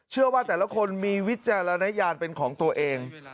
เชื่อว่าแต่ละคนมีวิจารณญาณเป็นของตัวเอง